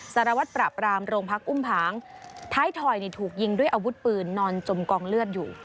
สารวัตรปราบรามโรงพักอุ้มผางท้ายถอยถูกยิงด้วยอาวุธปืนนอนจมกองเลือดอยู่